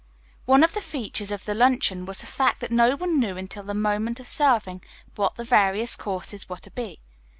One of the features of the luncheon was the fact that no one knew until the moment of serving what the various courses were to be.